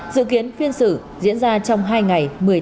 dự kiến phiên xử diễn ra trong hai ngày